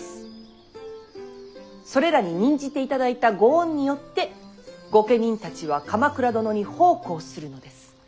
それらに任じていただいたご恩によって御家人たちは鎌倉殿に奉公するのです。